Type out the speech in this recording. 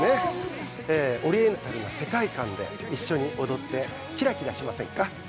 オリエンタルな世界観で一緒に踊ってキラキラしませんか？